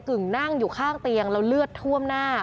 ่งนั่งอยู่ข้างเตียงแล้วเลือดท่วมหน้า